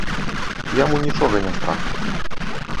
Яму нічога не страх.